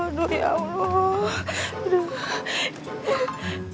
aduh ya allah